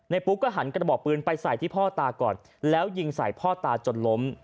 ปุ๊กก็หันกระบอกปืนไปใส่ที่พ่อตาก่อนแล้วยิงใส่พ่อตาจนล้ม